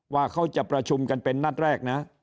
ว่าเขาจะประชุมกันเป็นนัดแรกนะ